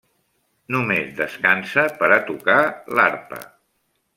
Només descansa per a tocar l'arpa.